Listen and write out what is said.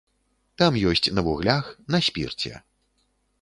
Там ёсць на вуглях, на спірце.